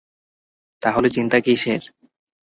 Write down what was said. তাহলে চিন্তা কীসের?